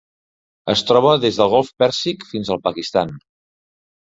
Es troba des del Golf Pèrsic fins al Pakistan.